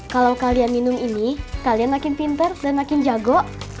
kalau kalian minum ini kalian makin pinter dan makin jago